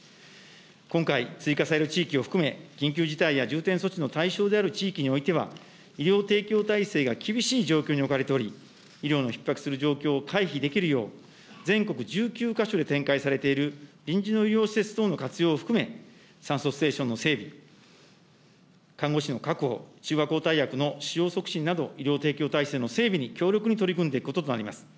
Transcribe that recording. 今回、追加される地域を含め緊急事態や重点措置の対象である地域においては、医療提供体制が厳しい状況に置かれており、医療のひっ迫する状況を回避できるよう、全国１９か所で展開されている臨時の医療施設等の活用を含め、酸素ステーションの整備、看護師の確保、中和抗体薬の使用促進など、医療提供体制の整備に、強力に取り組んでいくこととなります。